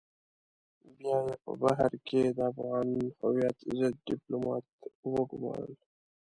بيا يې په بهر کې د افغان هويت ضد ډيپلومات وگمارل.